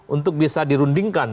untuk bisa dirundingkan